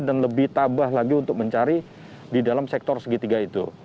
dan lebih tabah lagi untuk mencari di dalam sektor segitiga itu